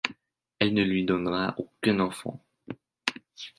Elle ne lui donnera aucun enfant.